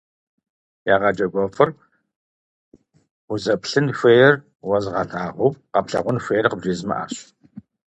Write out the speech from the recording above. Егъэджакӏуэфӏыр – узэплъын хуейр уэзыгъэлъагъуу, къэплъагъун хуейр къыбжезымыӏэрщ.